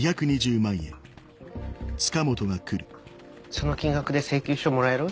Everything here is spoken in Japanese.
その金額で請求書もらえる？